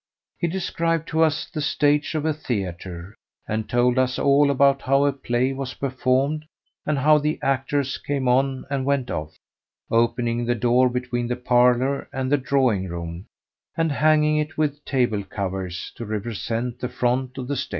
He described to us the stage of a theatre, and told us all about how a play was performed and how the actors came on and went off, opening the door between the parlour and the drawing room and hanging it with table covers to represent the front of the stage.